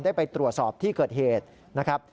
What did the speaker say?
ไปตรวจสอบที่เกิดเหตุนะครับ